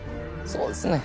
そうですね。